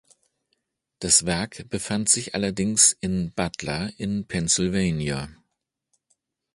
Das Werk befand sich allerdings in Butler in Pennsylvania.